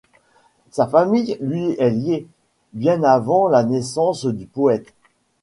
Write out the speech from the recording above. Sa famille lui est liée, bien avant la naissance du poète.